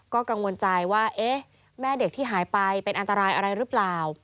ก็กังวลใจว่าแม่เด็กที่หายไปเป็นอันตรายอะไรหรือเปล่า